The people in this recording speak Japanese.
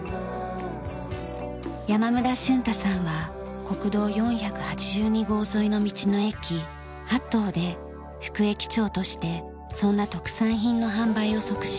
山村俊太さんは国道４８２号沿いの道の駅「はっとう」で副駅長としてそんな特産品の販売を促進しています。